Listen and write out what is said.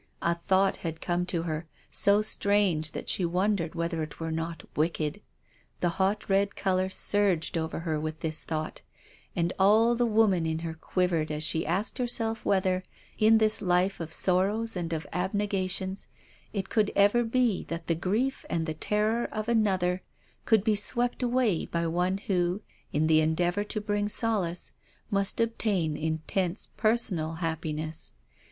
A thought had come to her, so strange that she wondered whether it were not wicked. The hot red colour surged over her with this thought, and all the woman in her quivered as she asked herself whether, in this life of sor rows and of abnegations, it could ever be that the grief and the terror of another could be swept away by one who, in the endeavour to bring solace, must obtain intense personal happiness.